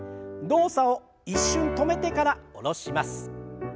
動作を一瞬止めてから下ろします。